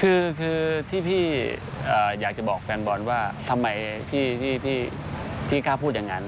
คือที่พี่อยากจะบอกแฟนบอลว่าทำไมพี่กล้าพูดอย่างนั้น